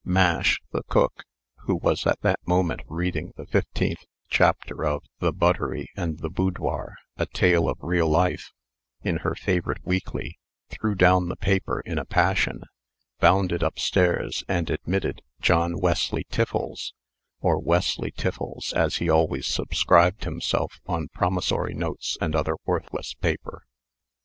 Mash, the cook, who was at that moment reading the fifteenth chapter of "The Buttery and the Boudoir: A Tale of Real Life," in her favorite weekly, threw down the paper in a passion, bounded up stairs, and admitted John Wesley Tiffles, or Wesley Tiffles, as he always subscribed himself on promissory notes and other worthless paper.